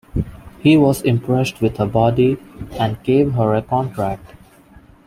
He was impressed with her body and gave her a contract.